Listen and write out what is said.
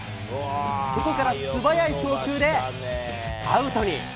そこから素早い送球でアウトに。